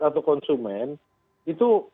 atau konsumen itu